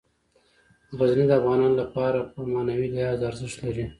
غزني د افغانانو لپاره په معنوي لحاظ ارزښت لري.